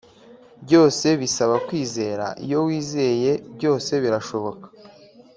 Byose bisaba kwizera iyo wizeye byose birashoboka